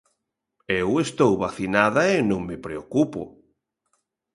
Eu estou vacinada e non me preocupo.